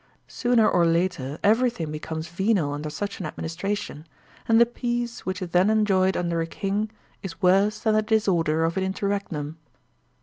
Sooner or later everything becomes venal under such an adminis tration, and the peace which is then enjoyed under a king Is worse than the disorder of an interregnum.